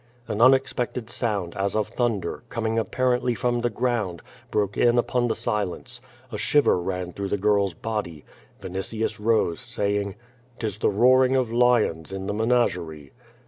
An unexpected sound, as of thunder, coming apparently from the ground, broke in upon the silence. A shiver ran through the girl's body. Vinitius rose, saying: " Tis the roaring of lions in the menagerie."